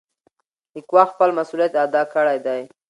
لیکوال خپل مسؤلیت ادا کړی دی.